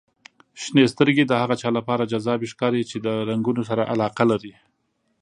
• شنې سترګې د هغه چا لپاره جذابې ښکاري چې د رنګونو سره علاقه لري.